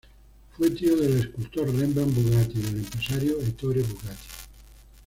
Fue tío del escultor Rembrandt Bugatti y del empresario Ettore Bugatti.